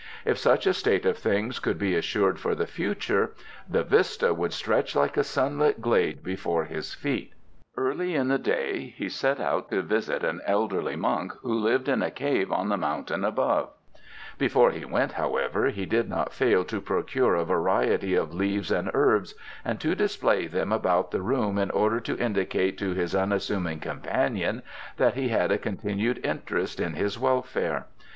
If such a state of things could be assured for the future, the vista would stretch like a sunlit glade before his feet. Early in the day he set out to visit an elderly monk, who lived in a cave on the mountain above. Before he went, however, he did not fail to procure a variety of leaves and herbs, and to display them about the room in order to indicate to his unassuming companion that he had a continued interest in his welfare.